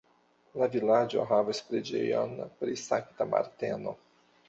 La vilaĝo havas preĝejon pri Sankta Marteno.